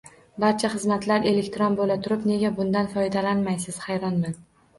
Barcha xizmatlar elektron bo'laturib, nega bundan foydlanmaysiz hayronman.